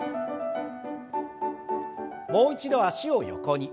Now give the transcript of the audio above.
もう一度脚を横に。